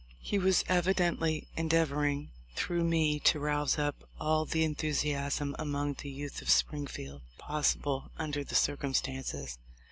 He was evidently endeavoring through me to rouse up all the enthusiasm among the youth of Springfield pos sible under the circumstances.